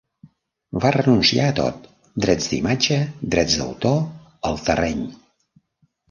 Va renunciar a tot: drets d'imatge, drets d'autor, el terreny.